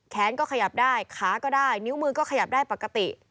แขนก็ขยับได้ขาก็ได้นิ้วมือก็ขยับได้ปกติ